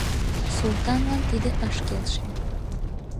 Султанлан тиде ыш келше.